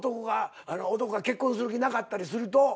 男が結婚する気なかったりすると。